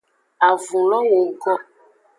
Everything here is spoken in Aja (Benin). Avulo wogo.